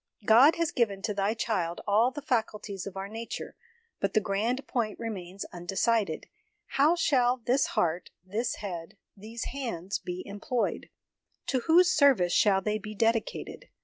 ... God has given to thy child all the faculties of our nature, but the grand point remains undecided how shall this heart, this head, these hands, be employed ? to whose service shall they be dedicated